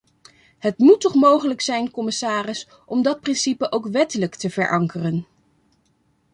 Het moet toch mogelijk zijn, commissaris, om dat principe ook wettelijk te verankeren.